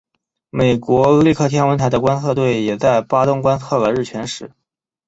美国利克天文台的观测队也在巴东观测了日全食。